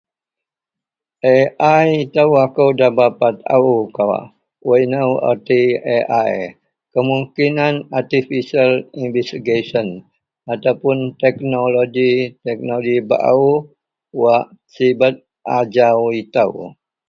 AI ito akou nda berapa taao kawak wak ino erti AI kemungkinan Artificial Investigation atau puon teknoloji-teknoloji baao wak sibet ajau ito.